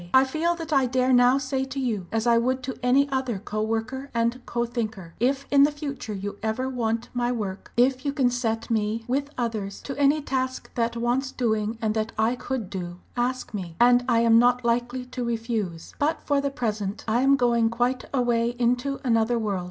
I feel that I dare now say to you, as I would to any other co worker and co thinker if in the future you ever want my work, if you can set me, with others, to any task that wants doing and that I could do ask me, and I am not likely to refuse. "But for the present I am going quite away into another world.